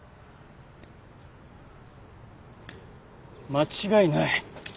間違いない。